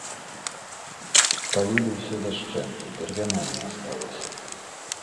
Спалілі ўсё дашчэнту, бервяна не асталося.